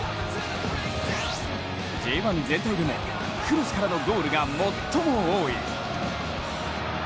Ｊ１全体でも、クロスからのゴールが最も多い。